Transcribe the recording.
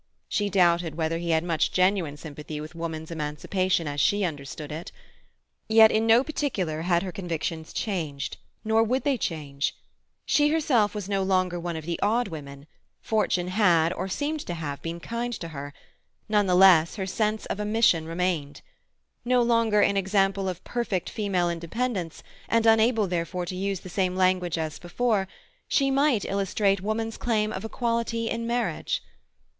She doubted whether he had much genuine sympathy with woman's emancipation as she understood it. Yet in no particular had her convictions changed; nor would they change. She herself was no longer one of the "odd women"; fortune had—or seemed to have—been kind to her; none the less her sense of a mission remained. No longer an example of perfect female independence, and unable therefore to use the same language as before, she might illustrate woman's claim of equality in marriage.